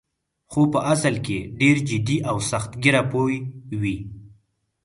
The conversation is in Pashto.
خو په اصل کې ډېر جدي او سخت ګیره پوه وې.